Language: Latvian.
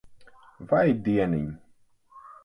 Vai dieniņ.